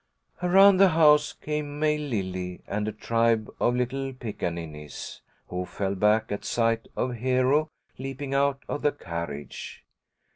Around the house came May Lily and a tribe of little pickaninnies, who fell back at sight of Hero leaping out of the carriage.